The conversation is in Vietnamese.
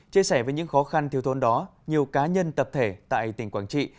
chia sẻ với những khó khăn thiêu thôn đó nhiều cá nhân tập thể tại tỉnh quảng trị